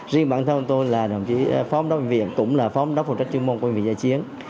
riêng bản thân tôi là đồng chí phóng đốc bệnh viện cũng là phóng đốc phụ trách chương môn của bệnh viện giả chiến